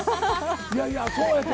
いやいやそうやて。